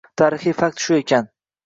Tarixiy fakt shu ekan.